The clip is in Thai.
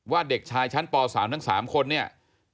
เด็กชายชั้นป๓ทั้ง๓คนเนี่ย